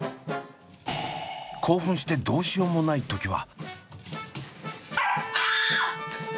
興奮してどうしようもない時は。